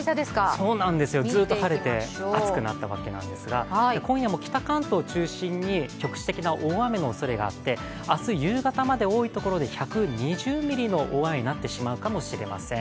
ずっと晴れて暑くなったわけなんですが今夜も北関東中心に局地的な大雨の可能性があって明日夕方まで、多いところで１２０ミリの大雨になってしまうかもしれません。